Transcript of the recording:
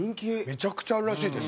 めちゃくちゃあるらしいです。